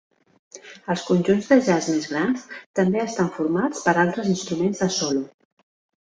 Els conjunts de jazz més grans també estan formats per altres instruments de solo.